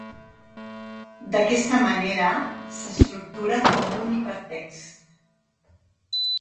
D'aquesta manera, s'estructura com un hipertext.